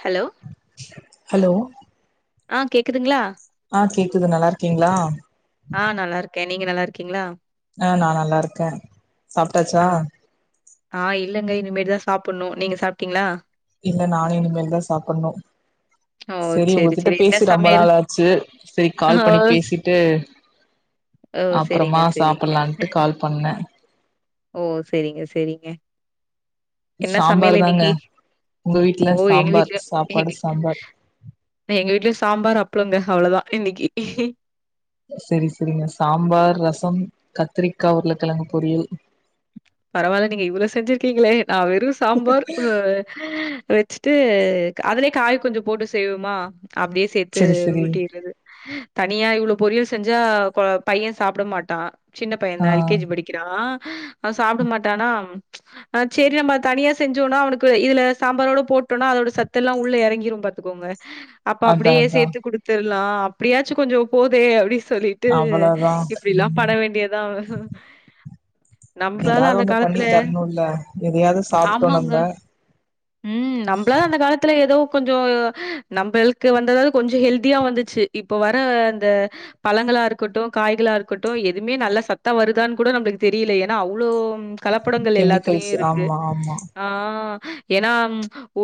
Hello! Hello ஆ கேக்குதுங்ளா ஆஹ கேக்குது நல்லாருக்கீங்களா ஆஹ நல்லா இருக்கேன் நீங்க நல்லா இருக்கீங்களா ஆ நா நல்லா இருக்கேன் சாப்ட்டாச்சா ஆ ஆ இல்லங்க இனிமேதா சாப்ட்டணும் நீங்க சாப்ட்டீங்களா இல்ல நானும் இனிமேல் தா சாப்டணும் ஓ செரி சரி உங்ககிட்ட சரி என்ன பேசி ரொம்ப சமையல்? நாளாச்சு செரி ஓ கால் பண்ணி பேசிட்டு ஓ சரிங்க அப்பறமா சரிங்க. சாப்டலான்ட்டு கால் பண்ண ஓ சரிங்க சரிங்க என்ன சமையல் சாம்பார் தாங்க இன்னிக்கி உங்க ஓ வீட்ல எங்க சாம்பார் வீட்லயும் சாப்பாடு சாம்பார் எங்க வீட்ல சாம்பார் அப்ளம்ங்க அவ்ளோதா இன்னிக்கி சரி சரிங்க சாம்பார் ரசம் கத்திரிக்காய் உருளைக்கிழங்கு பொரியல் பரவாயில்ல நீங்க இவ்ளோ செஞ்சிருக்கீங்களே நா வெறும் சாம்பார் வ வச் ட்டு அதுலயே காய் கொஞ்சம் போட்டு செய்வோமா அப்டியே சேர்த்து செரி செரி ஊட்டிறது தனியா இவ்ளோ பொரியல் செஞ்சா பையன் சாப்பிட மாட்டான் சின்ன பையன் ஆ தா எல் கே ஜி படிக்கிறான் அவன் சாப்பட மாட்டானா ஆ சேர் நம்ம தனியா செஞ்சோம்னா அவனுக்கு இதுல சாம்பாரோட போட்டோனா அதோட சத்து எல்லாம் உள்ள இறங்கிரும் பாத் துக்கோங்க அப்ப அதா அப்டியே அதா சேர்த்து குடுத்துறலாம் அப்டியாச்சும் கொஞ்சம் போதே அப்டி சொல்லி ட்டு அவ்வளோதா இப்டில்லாம் ம் பட வேண்டியதா அவன் நம்மலாது எதாவது அந்த ஒண்ணு பண்ணி காலத்துல தரணுல்ல எதையாவது சாப்ட்டோ ஆமாங்க நம்ப ம் நம்மளா அந்த காலத் துல ஏதோ கொஞ்சோ நம்மளுக்கு வந்ததாவது கொஞ்சம் ஹெல்தியா வந்துச்சு இப்ப வர அந்த பழங்களா இருக்கட்டும் காய்கள இருக்கட்டும் எதுவுமே நல்ல சத்தா வருதான்னு கூட நம்மளுக்கு தெரியலயே ஏன்னா அவ்ளோ கலப்படங்கள் கெமிக்கல்ஸ் எல்லாத்லயும் இருக்கு ஆமா ஆமா ஆ ஏன்னா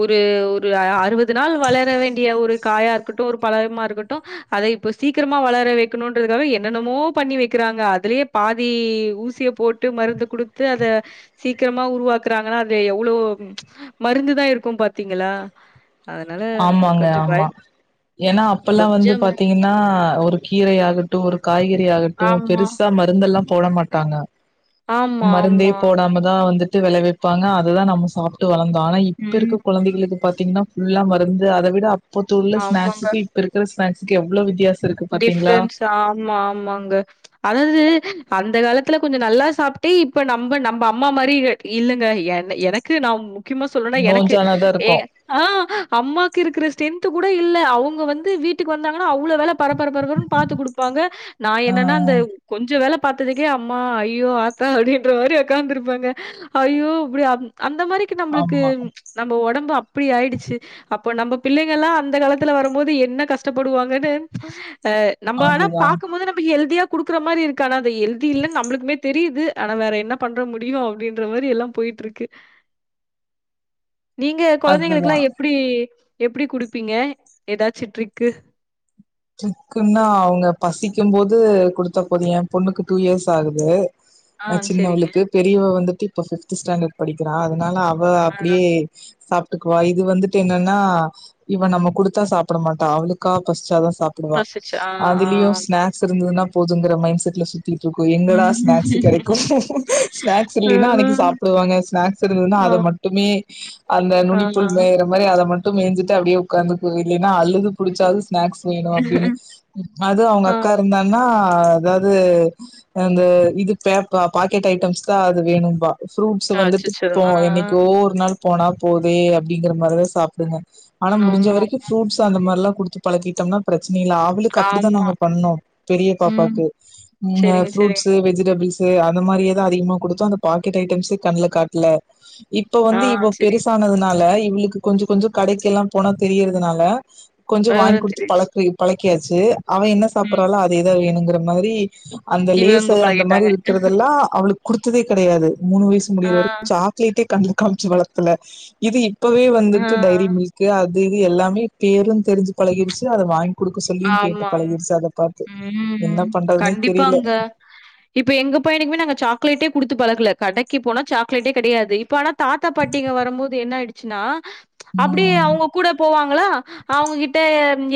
ஒரு ஒரு அறுபது நாள் வளர வேண்டிய ஒரு காயா இருக்கட்டும் ஒரு பழமா இருக்கட்டும் அத இப்ப சீக்கிரமா வளர வைக்கணும்ன்றதுக்காக என்னென்னமோ பண்ணி வைக்கிறாங்க அதுலயே பாதி ஊசிய போட்டு மருந்த குடுத்து அத சீக்கிரமா உருவாக்குறாங்கன்னா அது எவ்ளோ மருந்துதா இருக்கும் பாத்தீங்களா அதனால ம், ஆமாங்க கொஞ்சம் ஆமா பயம் ஏன்னா அப்பல்லாம் வந்து கொஞ்சம் பயம் பாத்தீங்கன்னா ஒரு கீரை ஆகட்டும் ஒரு காய்கறி ஆகட்டும் ஓ ஆமா, பெருசா மருந்தெல்லாம் போட மாட்டாங்க ஆமா, மருந்தையே ஆமா. போடாமதா வந்துட்டு விளைவிப்பாங்க அதுதா நம்ம சாப் ட்டு வளர்ந்தோம் ஆனா இப்ப இருக்க ம் குழந்தைகளுக்கு பாத்தீங்கன்னா ஃபுல்லா மருந்து அத விட அப்பத்து உள்ள ஆமாங்க. ஸ்நாக்ஸுக்கு இப்ப இருக்க ஸ்நாஸ்க்கு எவ்ளோ வித்தியாசோ இருக்கு பாத்தீங்களா டிஃப்ரென்ஸ் ஆமா ஆமாங்க அதாவது அந்த காலத்துல கொஞ்சம் நல்லா சாப்பிட்டே இப்ப நம்ம நம்ம அம்மா மாறிங்க இல்லங்க என் எனக்கு நா முக்கியமா சொல்லுன்னா எனக்கு நோஞ்சானதா ஏ இருக்கு ஆ அம்மாக்கு இருக்கிற ஸ்ட்ரென்த் கூட இல்ல அவுங்க வந்து வீட்டுக்கு வந்தாங்கன்னா அவ்ளோ வேல பரபரபரப்புர பாத்து குடுப்பாங்க நா ஆ என்னன்னா அந்த கொஞ்ச வேல பாத்ததுக்கே அம்மா ஐயோ ஆத்தா அப்டின்ற மாறி உக்காந்துருப்பங்க ஐயோ அப்டி அ அந்த மாரிக்கு நம்மளுக்கு ஆமா நம்ம உடம்பு அப்டி ஆயிடுச்சு அப்போ நம்ம பிள்ளைங்க எல்லா அந்த காலத்துல வரும் போது என்ன கஷ்டப்படுவாங்கன்னு ஆ நம்ம ஆனா அதுதா பாக்கும்போது நம்ம ஹெல்தியா குடுக்குற மாரி இருக் ஆனா அது ஹெல்த்தி இல்லனு நம்மளுக்குமே தெரிது ஆனா வேற என்ன பண்ற முடியும் அப்டின்ற மாறி எல்லாம் போயிட்டு இருக்கு நீங்க அதுதா குழந்தைங்களுக்குல்லாம் எப்டி எப்டி குடுப்பீங்க ஏதாச்சும் ட்ரீக்கு ட்ரீக்குன்னா அவுங்க பசிக்கும் போது குடுத்தா போதும் என் பொண்ணுக்கு டூ இயர்ஸ் ஆகுது ஆ சரிங்க. சின்னவளுக்கு பெரியவ வந்துட்டு இப்ப பிப்த் ஸ்டாண்டர்ட் படிக்கிறா அதனால அவ ஆ அப்டியே சாப்டுக்குவா இது வந்துட்டு என்னன்னா இவ நம்ம குடுத்தா சாப்ட மாட்டா அவளுக்கா பசிசாதா சாப்டுவா ப்ரோசிச்சர் ஆ ஆ ஆ. அதுலயு ஸ்நாக்ஸ் ஸ் இருந்ததுனா போதுங்கிற மைண்ட் செட்ல சு திட்டு இருக்கு எங்கடா ஸ்நாக்ஸ் கெடைக்கு ம். ஸ்நாக்ஸ் இல்லைன்னா அன்னைக்கு சாப்டுவாங்க ஸ்நாக்ஸ் இருந்ததுன்னா ஆ அத மட்டு மட்டுமே அந்த ஆ நுனிப்புல் ஆ மேய்ற இதுமேறி அத மட்டு மேஞ்சிட்டு அப்டியே உக்காந்துக்கு இல்லன்னா அழுது புடிச்சாது ஸ்நாக்ஸ் வேணு அப்டினு அது அவங்க ஆ. அக்கா இருந்தா ன்னா அதாவது அந்த இது பேப் பாக்கெட் ஐட்டம்ஸ் தா அது வேணும்பா ஃப்ரூட்ஸ் வந்துட்டு அச்சச்சோ! போ ஆ ஆ. என்னைக்கு ஒ ஒரு நாள் போனா போதே அப்டிங்கற மாறிதா சாப்டுங்க ஆனா முடிஞ்ச ஆமா, வரைக்கு ஃப்ரூட்ஸ் அந்த மாறெல்லா குடுத்து பழகிட்டோம்னா பிரச்சன இல்ல அவளுக் க்கு அப்டித்தா ஆமா. நாங்க பண்ணோ பெரிய ம். பாப்பாக்கு சரிங்க, சரிங்க. ப்ரூட்ஸ் வெஜிடபிள்ஸ் கு அந்த மாறியே தா அதிகமா குடுத்தோ அந்த பாக்கெட் ஐட்டம்ஸே கண்ல காட்ல இப்ப ஆ வந்து இவ சரி. பெருசானதுனால இவளுக்கு கொஞ்ச கொஞ்ச கடைக்கிலா போனா தெரியறதுனால கொஞ்ச வாங்கி விவரம் கொடுத்து தெரிஞ்ச்சு. பழக் பழக்கியாச்சு அவன் என்ன ம். சாப்புறாளோ அதே தான் வேணுங்கிற மாறி அந்த இவங்க லேசு அந்த மாறி பழகிட்டாங்க. இருக்கிறதெல்லா அவளுக்கு குடுத்ததே கெடையாது மூணு வயசு ஆ முடியிற வரைக்கு சாக்லேட்டே கண்ணுல காமிச்சு வளத்தல இது இப் இப்பவே ஆ. வந்துட்டு டைரி மில்கு அது இது எல்லாமே பேரு தெரிஞ்சு பழகிறுடுச்சு அத வாங்கி குடுக்க சொல்லி கேட்டு ஆமாமா. பழகிடுச்சு அத பாத்து என்ன ம். பண்றதுனே தெரில கண்டிப்பாங்க. இப்ப எங்க பையனுக்குமே நாங்க சாக்லேட்டே குடுத்து பழக்கல கடைக்கு போனா சக்லேட்டே கெடையாது இப்ப‌ ஆனா தாத்தா பாட்டிங்க வரும்போது என்ன ஆயிடுச்சுனா அப்டியே ம் அவங்க கூட போவாங்களா அவங்ககிட்ட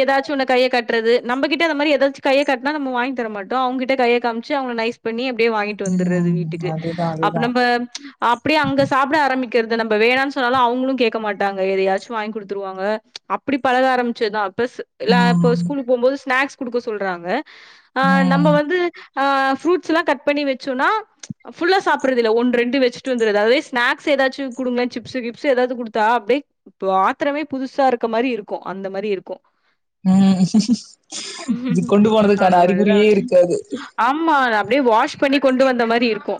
ஏதாச்சு ஒன்னு கைய கட்றது நம்பகிட்ட இது மாறி எதாச்சு கைய காட்னா நம்ப வாங்கி தர மாட்டோ அவங்கிட்ட கைய காமிச்சி அவங்க நைஸ் பண்ணி அப்டி வாங்கி ட்டு வந்துறது ம் வீட்டுக்கு அதுதா அப்ப அதுதா நம்ப அப்டியே அங்க சாப்பிட ஆரம்பிக்கிறது நம்ம வேணானு சொன்னாலு அவங்களு கேக்க மாட்டாங்க எதையாச்சு வாங்கி குடுத்துருவாங்க அப்டி பழக ஆரமிச்சதுதா பெஸ் இல்ல இப்ப ம் ஸ்கூலு போம்போது ஸ்நாக்ஸ் குடுக்க சொல்றாங்க அ நம்ம ம் வந்து ஆ ஃப்ரூட்ஸ் எல்லா கட் பண்ணி வச்சோனா ஃபுல்லா சாப்புறது இல்ல ஒன்னு ரெண்டு வச்சிட்டு வந்துறது அதே ஸ்நாஸ் எதாவது குடுங்களே சிப்ஸ்சு கிப்ஸ்சு ஏதாது குடுத்தா அப்டியே இப்ப ஆத்திரமே புதுசா இருக்க மாறி இருக்கு அந்த மாறி இருக்கு ம் இது கொண்டு அந்த போனதுக்கான அறிகுறியே மாரிதான் இருக்காது ஆமா அப்டி வாஷ் பண்ணி கொண்டு வந்த மாறி இருக்கு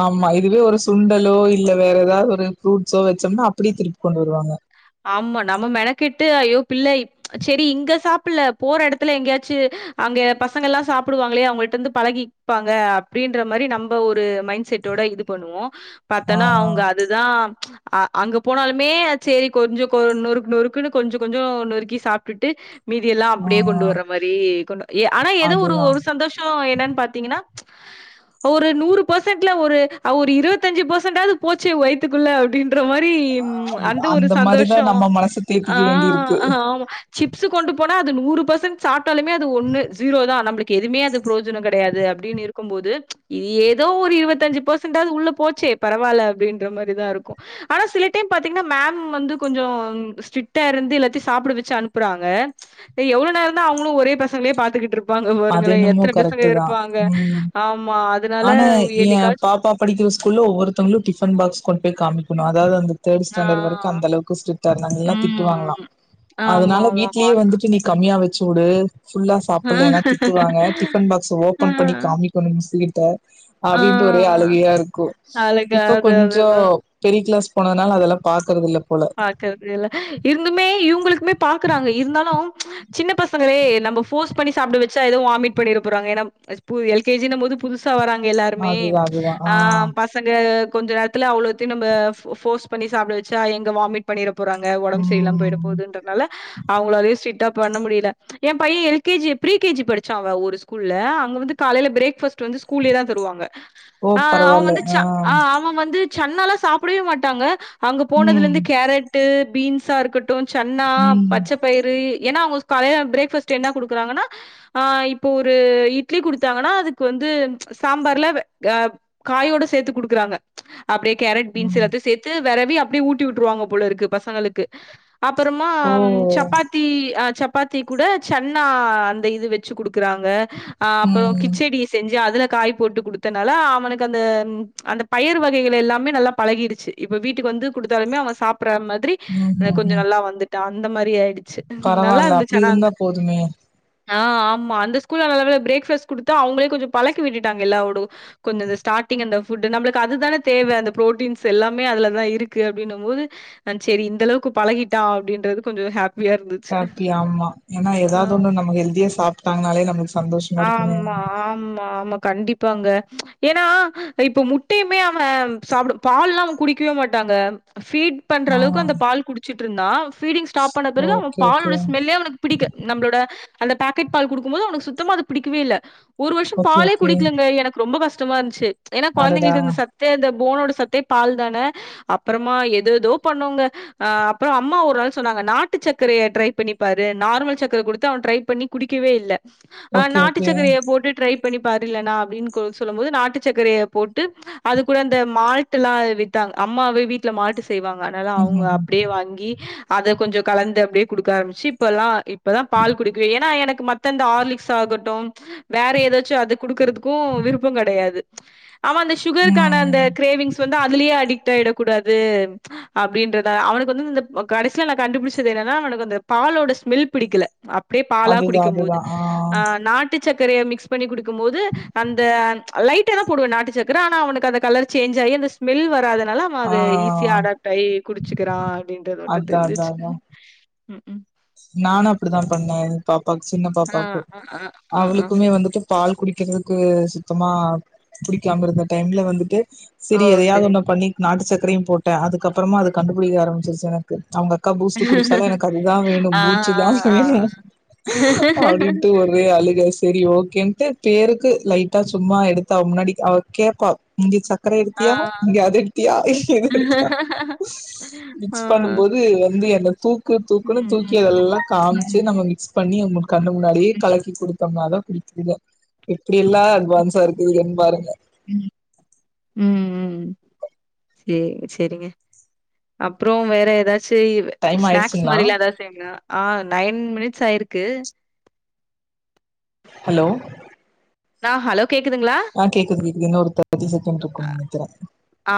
ஆமா இதுவே ஒரு சுண்டலோ இல்ல வேற ஏதது ஒரு ஃப்ரூட்ஸோ வச்சோம்னா அப்டியே திருப்பி கொண்டு வருவாங்க ஆமா நம்ம மெனக்கெட்டு ஐயோ பிள்ளை செரி இங்க சாப்பில்ல போற எடத்துல எங்கேயாச்சு அங்க பசங்க எல்லா சாப்டுவாங்களே அவங்கள்ட்ட இருந்து பழகிப்பாங்க அப்டின்ற மாறி நம்ப ஒரு மைண்ட் செட்டோட இது பண்ணுவோ ஆ, பாத்தனா அவங்க அதுதா அங்க போனாலுமே சேரி கொஞ்ச கொ நொறுக் நொறுக்குன்னு கொஞ்ச கொஞ்ச நொறுக்கி சாப்டுட்டு மீதியெல்லா ஆ. அப்டியே கொண்டு வர்ற மாறி கொண்டு ஆனா ஏதோ அதுதான். ஒரு சந்தோஷ என்னன்னு பாத்தீங்கன்னா ஒரு நூறு பெர்சன்ட்ல ஒரு ஒரு இருபத்ஞ்சு பெர்சன்டாவது போச்சு வயித்துக்குள்ள அப்டின் ற மாறி அந்த ஒரு மாரி சந்தோஷ தான் நம்ம மனச ஆ தேத்திக்க வேண்டியிருக்கு. ஆமா சிப்ஸ்சு கொண்டு போனா அது நூறு பெர்சன் சாப்டாலுமே அது ஒன்னு ஜீரோ தான் நம்ளுக் கு எதுமே அது புரோஜன கெடையாது அப்டினு இருக்கும் போது ஏதோ ஒரு இருபத்தஞ்சு பர்சன்டாவது உள்ள போச்சே பரவால்ல அப்டின்ற மாரி தா இருக்கு ஆனா சில டைம் பாத்தீங்கன்னா மேம் மேம் வந்து கொஞ்ச ஸ்டிட்க்டா இருந்து எல்லாத்தையு சாப்ட வச்சு அனுப்புறாங்க எவ்ள நேர தா அவங்களு ஒரே பசங்களே பாத்துகிட்டு இருப் நிப்பாங்க அது பாருங்களே என்னமோ எத்தன பசங்க கரெக்ட்டு தான். இருப்பாங்க ம். ஆமா அதனால ஆனா என் என்னைக்காச் பாப்பா படிக்கிற ஸ்கூல்ல ஒவ்வொருத்தங்களு டிபன் பாக்ஸ் கொண்டு போய் காமிக்கணு அதாவ்து அந்த தேர்ட் ஆ. ஸ்டாண்டர்ட் வரைக்கு அந்த அளவுக்கு ஸ்ட்ரிக்ட்டா இருந்தாங்களா இல்லனா திட்டுவாங்களா ம். அதனால வீட்லயே ஆமாமாமா. வந்துட்டு நீ கம்மியா வச்சு வுடு ஃபுல்லா ஆ. சாப்புல்லேன்னா வாங்க டிஃபன் பாக்ஸ ஆ. ஓபன் பண்ணி காமிக்கணு மிஸ்ஸு கிட்ட ஆ. அப்டின்டு ஒரே அழுகையா இருக்கு அழகா இப்ப அது கொஞ்சோ அதுதான். பெரிய கிளாஸ் போனதுனால அதெல்லா பாக்றது இல்ல போல பாக்றது இல்ல இருந்துமே இவங்ளுக்குமே பாக்குறாங்க இருந்தாலு சின்ன பசங்களே நம்ம போர்ஸ் பண்ணி சாப்ட வச்சா எது வாமிட் பண்ணீற போராங்க ஏனா பு எல் கே ஜினும் போது புதுஸ் புதுசா வராங்க எல்லாருமே அதுதா அதுதா ஆ பஸ் பசங்க கொஞ்சோ நேரத்துல அவ்ளோத்தையு நம்ம போர்ஸ் பண்ணி சாப்ட வச்சா எங்க வாமிட் பண்ணிட போறாங்க ஒடம்பு சரியில்லாம போயிட ம் போவுதுன்றனால அவங்களாலயு ஸ்ட்ரிக்ட்டா பண்ண முடியல எ பைய L K G pre K G படிச்சா அவ ஒரு ஸ்கூல்ல அங்க வந்து காலையில பிரேக்ஃபாஸ்ட் வந்து ஸ்கூல்லயே தா தருவாங்க ஓ ஆ அவ பரவால்ல வந்து ச்சா ஆ அவ வந்து சன்னால சாப்டவே மாட்டாங்க அங்க ம் போனதுலருந்து கேரட்டு பீன்ஸா இருக்கட் சன்னா ம் பச்ச பயிறு ஏனா அவங்க காலைய பிரேக் ஃபஸ்ட்டு என்ன குடுக்குறாங்கன்னா ஆ இப்போ ஒரு இட்லி குடுத்தாங்கன்னா அதுக்கு வந்து சாம்பார்ல வெ க காயோட சேத்து குடுக்றாங்க அப்டியே கேரட் பீன்ஸ் ம் எல்லாத்தையு சேத்து வெரவி அப்டியே ஊட்டி வுட்ருவாங்க போலருக்கு பசங்களுக்கு அப்புறமா ஓ சப்பாத்தி சப்பாத்தி கூட சன்னா அந்த இது வச் வச்சு குடுக்குறாங்க ஆ அப்ரோ ம் கிச்சடி செஞ்சு அதுல காய் போட்டு குடுத்தனால அவனுக்கு அந்த அந்த பயிர் வகைகள் எல்லாமே நல்லா பழகிடுச்சு இப்ப வீட்டுக்கு வந்து குடுத்தாலுமே அவ சாப்பிட்ற மாதிரி ம் ம் கொஞ்சோ ம் நல்லா வந்துட்டா அந்த மாரி ஆயிடுச்சு பரவால்ல அப்டி நல்லாருந்துச்சு ஆனா இருந்தா அந்த போதுமே ஆ ஆமா அந்த ஸ்கூல நல்ல வேல பிரேக்ஃபாஸ்ட் குடுத்து அவங்களே கொஞ்ச பழக்கி விட்டுட்டாங்க எல்லா ஒடு கொஞ்சோ இந்த ஸ்டார்டிங் அந்த ஃபுட் நம்ளுக்கு அதுதான தேவ அந்த ப்ரோட்டீன்ஸ் எல்லாமே அதுலதா இருக்கு அப்டின்னும் போது நா சேரி இந்த அளவுக்கு பழகிட்டா அப்டின்றது கொஞ்சோ ஹாப் ஹாப்பி ஆமா ஏனா ஏதாவ்து ஆ. ஒன்னு நம்ம ஹெல்தியா சாப்ட்டாங்னாலே நம்ம ஆமா ஆமா ஆமா கண்டிப் பாங்க ஏனா இப்ப முட்டையுமே அவ சாப்பிட பால்லா அவ குடிக்கவே மாட்டாங்க ஃபீட் பண்ற அளவுக்கு ஆ அந்த பால் குடிச்சிட் இருந்தா ஃபீடிங் ஸ்டாப் பண்ண பிறகு அவ ஓகே ஓகே பாலோட ஸ்மெல்லே அவனுக் பிடிக்க நம்ளோட அந்த பேக்கெட் பால் குடுக்கும் போது அவனுக்கு சுத்தமா அது பிடிக்கவே இல்ல ஒரு வருஷோ ஓகே பாலே ஓகே குடிக்கலங்க எனக்கு ரொம்ப கஷ்டமா இருந்த்ச்சு ஏனா அடடா! கொழந்தைங்களுக்கு இந்த சத் து இந்த போனோட சத்தே பால் தான அப்றமா எதோ ஏதோ பண்ணோங்க ஆ அப்றோ அம்மா ஒரு நாள் சொன்னாங்க நாட்டு சக்கரைய ட்ரை பண்ணிப்பாரு நார்மல் சக்கர குடுத்து அவ ட்ரை பண்ணி குடிக்கவே இல்ல அ ஓகே நாட்டு ஓகே. சக்கரைய போட்டு ட்ரை ட்ரை பண்ணி பாரு இல்லனா அப்பின்னு க சொல்லும் போது நாட்டு சக்கரய போட்டு அது கூட இந்த மால்ட்டுல்லா வித்தாங்க அம்மாவே வீட்ல மால்ட்டு ஸ் செய்வாங்க அனால அவங்க ம்ஹ்ஹ்ம். அப்டியே வாங்கி அத கொஞ்சோ கலந்து அப்டியே குடுக்க ஆரம்பிச்சு இப்பெல்லா இப் இப்பதா பால் குடிக்குவே ஏனா எனக்கு மத்த இந்த ஆர்லிக்ஸ் ஆகட்டும் வேற ஏதாச்சு அது குடுக்குறதுக்கு விருப்போ கெடையாது ஆமா அந்த சுகருக்கான ம். அந்த கிரேவிங்ஸ் வந்து அதுலயே அடிக்ட் ஆயிடக் கூடாது அப்டின்றதா அவனுக்கு வந்து இந்த கடைசியில நா கண்டுபிடிச்சது என்னன்னா அவனுக்கு அந்த பாலோட ஸ்மெல் பிடிக்கல அப்டியே பாலா அதுதான் குடிக்கும் போது அதுதான். ஆ. ஆ நாட்டு சக்கரைய மிக்ஸ் பண்ணி குடுக்கும் போது அந்த லைட்டா தா போடுவே நாட்டு சக்கர ஆனா அவனுக்கு அந்த கலர் சேஞ்ச் ஆகி அந்த ஸ்மெல் வராததுனால ஆ. அத ஈஸியா அடாப்ட் ஆகி குடிச்சுக்கிறா அப்படின்றத் மட்டு அதான் தெரிஞ்சுச்சு அதான் அதான். நானு அப்டித்தா பண்ணே பாப்பாக்கு சின்ன ஆ பாப்பாக்கு அ அ அ அ அவளுக்குமே வந்துட்டு பால் குடிக்கிறதுக்கு சுத்தமா புடிக்காம இருந்த டைம்ல வந்துட்டு ஓ சேரி எதையாவது சரி ஒன்னு பண்ணி நாட்டு சக்கரையு போட்டே அதுக்கப்பறமா அது கண்டுபிடிக்க ஆரம்பிச்சிருச்சு எனக் கு அவங்க அக்கா பூஸ்ட் குடிச்சாலு எனக்கு அதுதா வேணு ஆ பூச்சு தா ஆ ஆ வேணு அப்டின்ட்டு ஒ ரே அழுக செரி ஓகேன்ட்டு பேருக்கு லைட்டா சும்மா எடுத்து அவ முன்னாடி அவ கேப்பா இங்க சக்கரை ஆ ஆ எடுத்தியா இங்க அது எடுத்தியா இல்ல இது எடுத்தியா மிக்ஸ் பண்ணும் ஆ. போது வந்து என்ன தூக்கு ம் தூக்குன்னு தூக்கி அதெல்லா ம் ம் காமிச்சு நம்ம மிக்ஸ் பண்ணி அவங்க கண்ணு முன்னாடியே கலக்கி குடுத்தோம்னாதா குடிக்குதுங்க எப்புடி எல்லா அட்வான்ஸா இருக்குதுகன்னு பாருங்க ம் ம் ம் செரி சேரிங்க அப்பற வேற ஏதாச்சு டைம் ஸ்நாக்ஸ் ஆயிடுச்சுங்களா மாரிலா ஏதாது ங்களா ஆ நைன் மினிட்ஸ் ஆயிருக்கு ஹலோ ஆ ஹலோ கேக்குதுங்களா ஆ கேக்குது கேக்குது இன்னு ஒரு தாட்டி செகண்ட் இருக்கும்ன்னு நெனைக்கிறே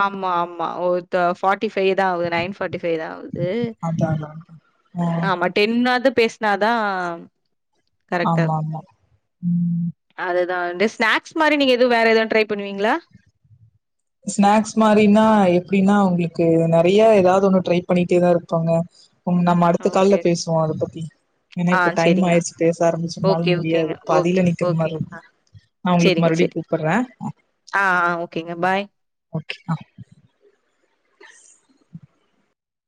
ஆமா ஆமா ஒரு ஃபார்டிஃபை தா ஆகுது நைன் ஃபார்ட்டி ஃபை தா ஆகுது து அதா அதா ஆ ஆமா டென்னாது பேசுனாதா ஆமா ஆமா ம் அதுதா ஸ்நாக்ஸ் மாரி நீங்க எதுவும் வேற எதுவும் ட்ரை பண்ணுவீங்களா ஸ்நாக்ஸ் மாரினா எப்டின்னா உங்களுக்கு நெறைய ஏதாவது ஒன்னு ட்ரை பண்ணிட்டே தா இருப்பாங்க ம் நம்ம அடுத்த கால்ல ஓகே. பேசுவோ அத பத்தி ஏனா ஆ இப்ப டைம் சரிங்க. ஆயிடுச்சு பேச ஆரம்பிச்சனாலு ஓகே, முடியாது ஓகேங்க. ஓகே, பாதில நிக்கிற ஓகே. மாரி இருக்கு ஆ நா உங்களுக்கு சரிங்க, மறுபடியு சரிங்க. கூப்புடுறே ஆ ஆ ஓகேங்க பாய் ஓகே ஆ